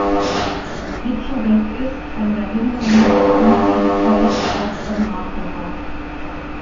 Wieczorek ist, wenn der Hinderungsgrund entfällt, erster Nachrücker.